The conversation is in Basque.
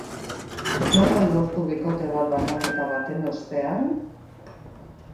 Nola lortu bikote bat banaketa baten ostean?